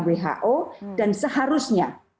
who dan seharusnya